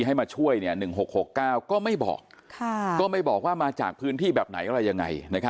ให้มาช่วย๑๖๖๙ก็ไม่บอกมาจากพื้นที่แบบไหนหรือยังไง